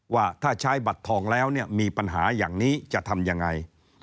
ว่าถ้าใช้บัตรทองแล้วเนี่ยมีปัญหาอย่างนี้จะทำยังไง